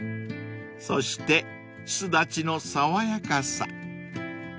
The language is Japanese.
［そしてスダチの爽やかさ］